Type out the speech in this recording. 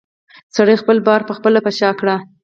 سړي خپل بار پخپله په شا کړ.